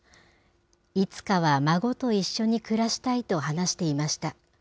いつかは孫と一緒に暮らしたいと話していました。